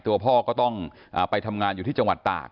ตัวพ่อก็ต้องไปทำงานอยู่ที่จังหวัดตาก